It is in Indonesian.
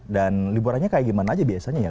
dan liburannya kayak gimana aja biasanya ya